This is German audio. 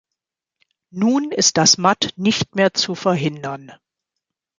Nun ist das Matt nicht mehr zu verhindern.